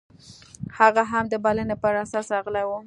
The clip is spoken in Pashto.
هغه هم د بلنې پر اساس راغلی و.